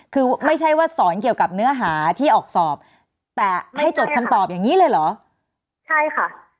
คือไม่ใช่ว่าสอนเกี่ยวกับเนื้อหาที่ออกสอบแต่ให้จดคำตอบอย่างนี้เลยเหรอใช่ค่ะ